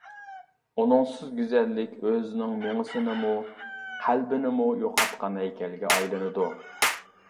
ئۇنىڭسىز گۈزەللىك ئۆزىنىڭ مېڭىسىنىمۇ، قەلبىنىمۇ يوقاتقان ھەيكەلگە ئايلىنىدۇ.